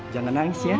jangan nangis ya